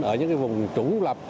ở những vùng trúng lập